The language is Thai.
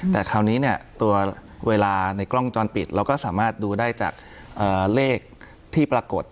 แต่คราวนี้เนี่ยตัวเวลาในกล้องวงจรปิดเราก็สามารถดูได้จากเลขที่ปรากฏ